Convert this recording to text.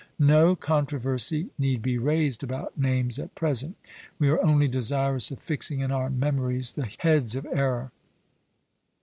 No controversy need be raised about names at present; we are only desirous of fixing in our memories the heads of error.